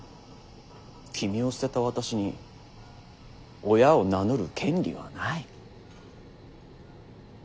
君を捨てた私に親を名乗る権利はない。